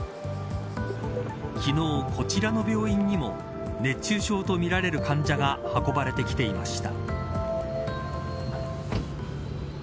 昨日、こちらの病院にも熱中症とみられる患者が運ばれてきていました。